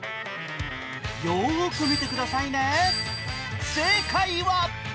よーく見てくださいね。